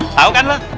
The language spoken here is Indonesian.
tau kan lu